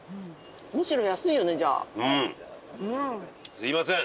すみません！